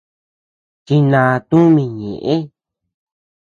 Chiná tumi ñeʼe.